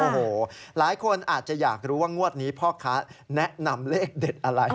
โอ้โหหลายคนอาจจะอยากรู้ว่างวดนี้พ่อค้าแนะนำเลขเด็ดอะไร